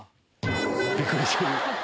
びっくりしてる！